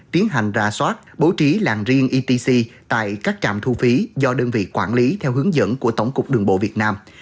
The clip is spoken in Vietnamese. tiến hành ra soát bố trí làng riêng etc tại các trạm thu phí do đơn vị quản lý theo hướng dẫn của tổng cục đường bộ việt nam